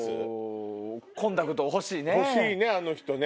コンタクト欲しいね。